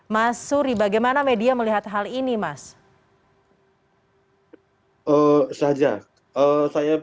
mas suri bagaimana media melihat hal ini mas